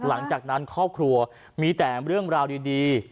หลังจากนั้นครอบครัวมีแต่เรื่องราวดี